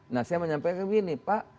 nah saya menyampaikan begini pak